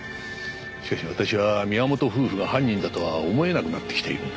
しかし私は宮本夫婦が犯人だとは思えなくなってきているんだ。